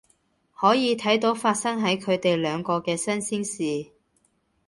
可以睇到發生喺佢哋兩個嘅新鮮事